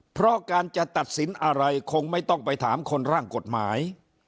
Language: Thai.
เพราะการจะตัดสินอะไรคงไม่ต้องไปถามคนร่างกฎหมาย